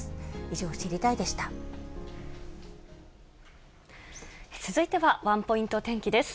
以上、続いてはワンポイント天気です。